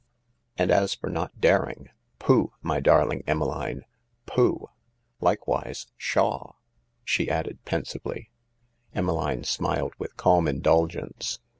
And as for not daring — pooh, my darling Emmeline, pooh I ... Likewise pshaw I " she added pensively. Emmeline smiled with calm indulgence.